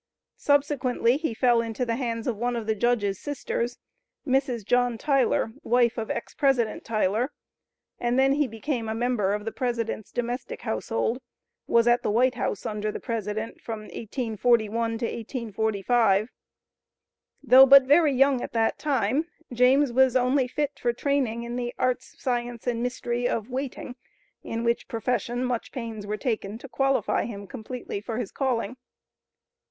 Subsequently he fell into the hands of one of the Judge's sisters, Mrs. John Tyler (wife of Ex President Tyler), and then he became a member of the President's domestic household, was at the White House, under the President, from 1841 to 1845. Though but very young at that time, James was only fit for training in the arts, science, and mystery of waiting, in which profession, much pains were taken to qualify him completely for his calling.